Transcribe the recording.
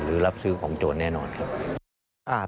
รับซื้อของโจรแน่นอนครับ